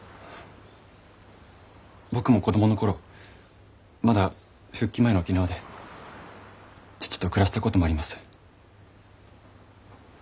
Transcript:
僕も子供の頃まだ復帰前の沖縄で父と暮らしたこともあります。